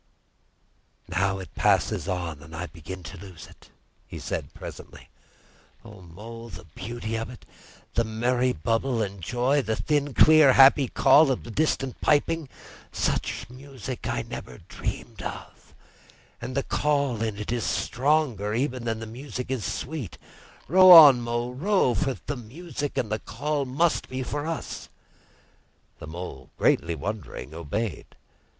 "Now it passes on and I begin to lose it," he said presently. "O Mole! the beauty of it! The merry bubble and joy, the thin, clear, happy call of the distant piping! Such music I never dreamed of, and the call in it is stronger even than the music is sweet! Row on, Mole, row! For the music and the call must be for us." The Mole, greatly wondering, obeyed.